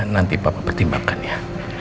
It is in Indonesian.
nanti papa pertimbangkan ya